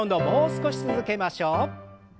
もう少し続けましょう。